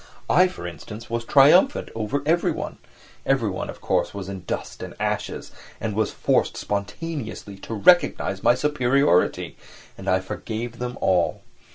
I, for instance, was triumphant over everyone; everyone, of course, was in dust and ashes, and was forced spontaneously to recognise my superiority, and I forgave them all.